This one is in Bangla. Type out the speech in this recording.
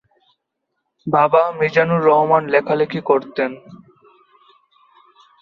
বাবা মিজানুর রহমান লেখালেখি করতেন।